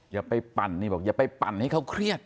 อย่าไปปั่นนี่บอกอย่าไปปั่นให้เขาเครียด